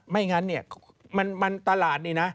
ไม่งั้นเนี่ยมันตลาดนี่นะ